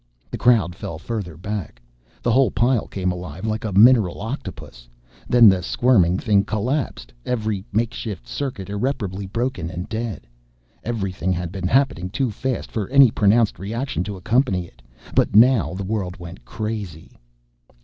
The crowd fell further back. The whole pile came alive like a mineral octopus. Then the squirming thing collapsed, every makeshift circuit irreparably broken and dead. Everything had been happening too fast for any pronounced reaction to accompany it; but now the world went crazy.